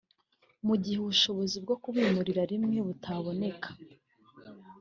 mu gihe ubushobozi bwo kubimurira rimwe butaboneka